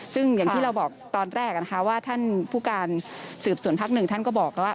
ซึ่งอย่างที่เราบอกตอนแรกนะคะว่าท่านผู้การสืบสวนภักดิ์หนึ่งท่านก็บอกแล้วว่า